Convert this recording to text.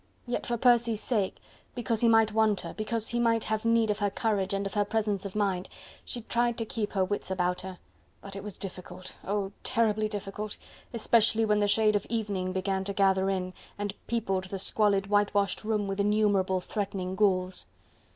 Yet for Percy's sake, because he might want her, because he might have need of her courage and of her presence of mind, she tried to keep her wits about her. But it was difficult! oh! terribly difficult! especially when the shade of evening began to gather in, and peopled the squalid, whitewashed room with innumerable threatening ghouls.